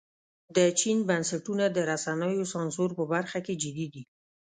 د چین بنسټونه د رسنیو سانسور په برخه کې جدي دي.